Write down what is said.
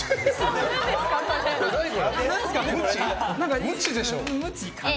これムチでしょ。